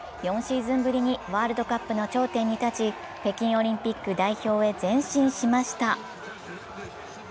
４シーズンぶりにワールドカップの頂点に立ち北京オリンピック代表へ前進しました。